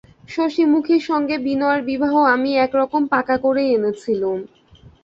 শশিমুখীর সঙ্গে বিনয়ের বিবাহ আমি একরকম পাকা করেই এনেছিলুম।